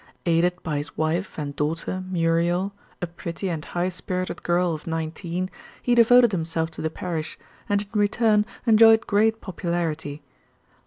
Aided by his wife and daughter, Muriel, a pretty and high spirited girl of nineteen, he devoted himself to the parish, and in return enjoyed great popularity.